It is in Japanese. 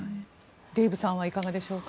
デーブさんはいかがでしょうか。